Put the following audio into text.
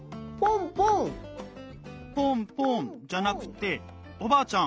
ポンポンじゃなくておばあちゃん